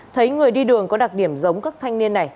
thấy người đi đường có đặc điểm giống các thanh niên này